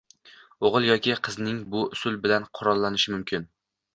o‘g‘il yoki qizingiz bu usul bilan qurollanishi mumkin.